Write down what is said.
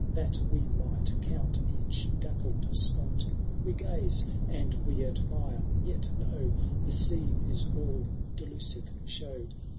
That we might count each dappled spot : We gaze and we admire, yet know The scene is all delusive show.